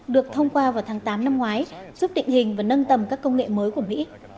được thông qua vào tháng tám năm ngoái giúp định hình và nâng tầm các công nghệ mới của mỹ